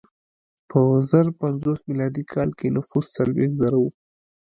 په زر پنځوس میلادي کال کې نفوس څلوېښت زره و.